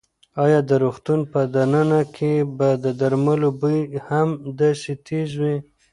ایا د روغتون په دننه کې به د درملو بوی هم داسې تېز وي؟